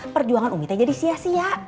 perjuangan umitnya jadi sia sia